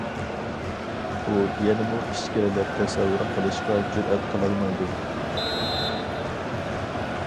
ئۇ يەنىمۇ ئىچكىرىلەپ تەسەۋۋۇر قىلىشقا جۈرئەت قىلالمايدۇ.